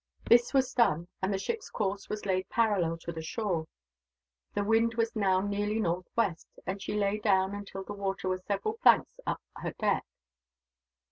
This was done, and the ship's course was laid parallel to the shore. The wind was now nearly northwest, and she lay down until the water was several planks up her deck.